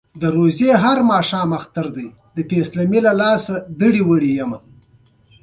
تر غو سین او همداسې ان تر باجوړه پراته دي.